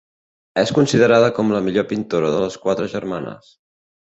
És considerada com la millor pintora de les quatre germanes.